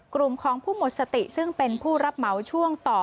กลุ่มของผู้หมดสติซึ่งเป็นผู้รับเหมาช่วงต่อ